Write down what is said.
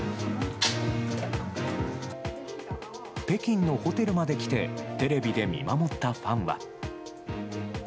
北京のホテルまで来て、テレビで見守ったファンは。